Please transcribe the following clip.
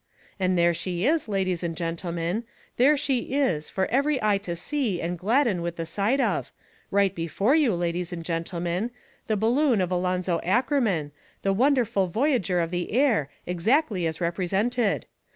And there she is, ladies and gentlemen, there she is, for every eye to see and gladden with the sight of right before you, ladies and gentlemen the balloon of Alonzo Ackerman, the wonderful voyager of the air, exactly as represented.